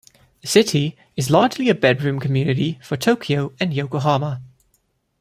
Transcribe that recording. The city is largely a bedroom community for Tokyo and Yokohama.